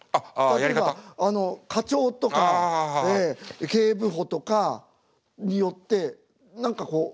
例えば課長とか警部補とかによって何かこう。